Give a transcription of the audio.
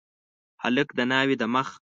هلک د ناوي د مخ